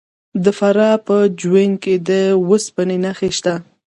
د فراه په جوین کې د وسپنې نښې شته.